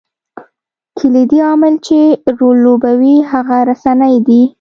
کلیدي عامل چې رول لوبوي هغه رسنۍ دي.